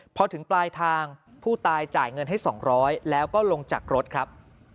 พอถึงปลายทางผู้ตายจ่ายเงินให้๒๐๐แล้วก็ลงจากรถครับ